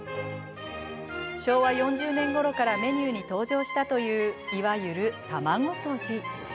昭和４０年ごろからメニューに登場したといういわゆる卵とじ。